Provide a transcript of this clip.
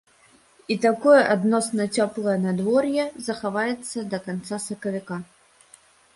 І такое адносна цёплае надвор'е захаваецца да канца сакавіка.